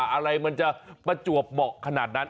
อะไรมันจะประจวบเหมาะขนาดนั้น